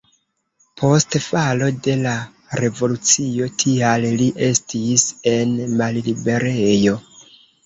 Post falo de la revolucio tial li estis en malliberejo.